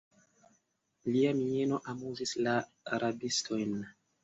Lia mieno amuzis la rabistojn.